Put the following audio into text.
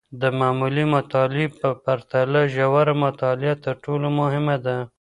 د معمولي مطالعې په پرتله، ژوره مطالعه تر ټولو مهمه ده.